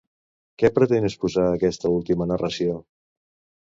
Què pretén exposar aquesta última narració?